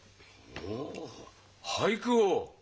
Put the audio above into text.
おお俳句を！